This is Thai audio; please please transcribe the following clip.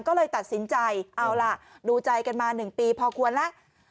ก็เลยตัดสินใจเอาล่ะดูใจกันมา๑ปีพอควรแล้ว